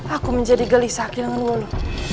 aku menjadi gelisah kira kira lu